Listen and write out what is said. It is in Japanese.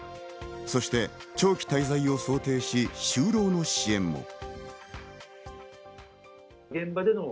そして長期滞在を想定し就労の支援も。